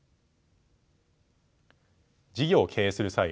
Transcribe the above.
事業を経営する際